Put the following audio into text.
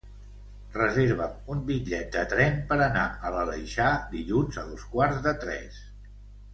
Reserva'm un bitllet de tren per anar a l'Aleixar dilluns a dos quarts de tres.